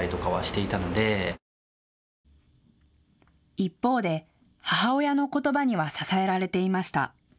一方で母親のことばには支えられていました。